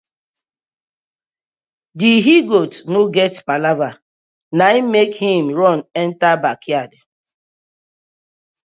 Di he-goat no wan palava na im mek him run enter bakyard.